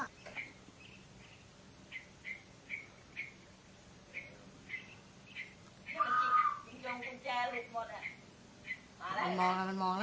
คุณโจมคุญแจลูกหมดอ่ะมาแล้วนะมันมองนะ